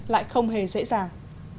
lại không hề dễ dàng